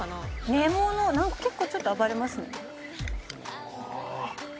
根物なんか結構ちょっと暴れますね